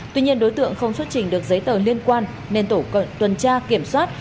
tuy nhiên đối tượng không xuất trình được giấy tờ liên quan nên tổn tuần tra kiểm soát